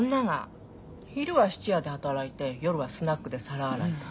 昼は質屋で働いて夜はスナックで皿洗いとか。